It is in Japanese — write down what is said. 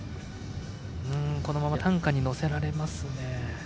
このまま担架に乗せられますね。